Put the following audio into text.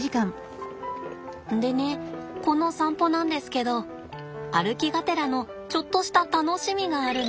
でねこの散歩なんですけど歩きがてらのちょっとした楽しみがあるんです。